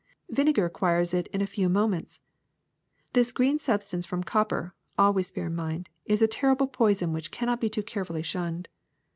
Vinegar acquires it in a few moments. This green substance from copper, al ways bear in mind, is a terrible poison which cannot be too carefully shunned.